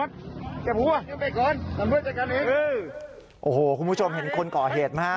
โอ้โหคุณผู้ชมเห็นคนก่อเหตุไหมฮะ